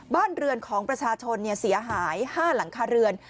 บ้านเรือนของประชาชนเสียหาย๕หลังคาเรือน